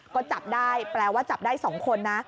ก็จับได้แปลว่าจับได้๒คนนะ